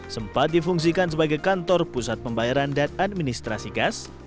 sempat difungsikan sebagai kantor pusat pembayaran dan administrasi gas